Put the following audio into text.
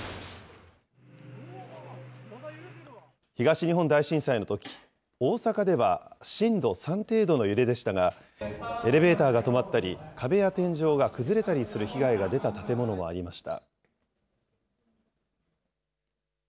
東日本大震災のとき、大阪では震度３程度の揺れでしたが、エレベーターが止まったり、壁や天井が崩れたりする被害が出た建物もありました。